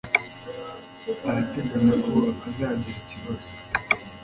Arateganya ko azagira ibibazo